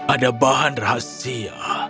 ada bahan rahasia